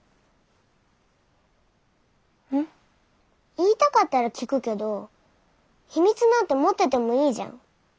言いたかったら聞くけど秘密なんて持っててもいいじゃん。